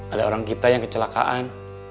ada orang kita yang kecelakaan